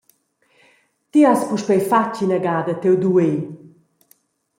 Ti has puspei fatg ina gada tiu duer.